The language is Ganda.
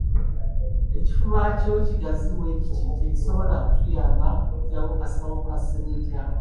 Ekifuba kyo ekigazi bwe kiti tekisobola kutuyamba kuggyawo kasawo ka seminti ako.